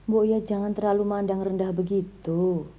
bu ya jangan terlalu mandang rendah begitu